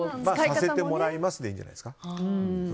「させてもらいます」でいいんじゃないですか。